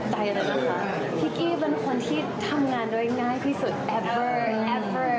ใช่ยังมีอากลูกเลยทน